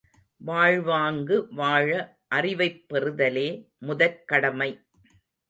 வாழ்வாங்கு வாழ அறிவைப் பெறுதலே முதற்கடமை.